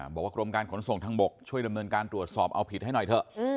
กรมการขนส่งทางบกช่วยดำเนินการตรวจสอบเอาผิดให้หน่อยเถอะ